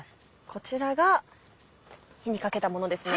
こちらが火にかけたものですね。